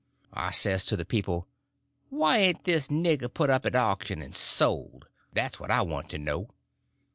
I says to the people, why ain't this nigger put up at auction and sold?—that's what I want to know.